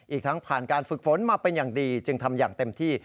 อีกทั้งผ่านการฝึกฝนมาเป็นอย่างดีจึงทำอย่างเต็มที่